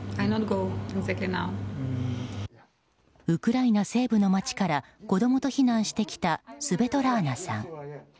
ウクライナ西部の街から子供と避難してきたスベトラーナさん。